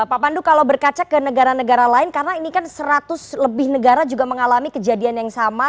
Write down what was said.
pak pandu kalau berkaca ke negara negara lain karena ini kan seratus lebih negara juga mengalami kejadian yang sama